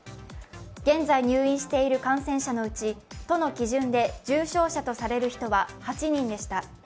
現在入院している感染者のうち都の基準で重症者とされる人は８人でした。